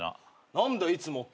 何だよいつもって。